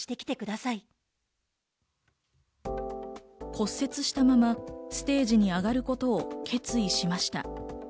骨折したままステージに上がることを決意しました。